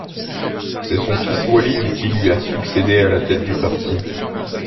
C'est son fils Walid qui lui a succédé à la tête du parti.